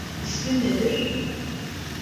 İsmin nedir?